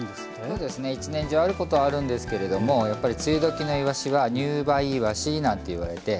そうですね一年中あることはあるんですけれどもやっぱり梅雨時のいわしは「入梅いわし」なんていわれて。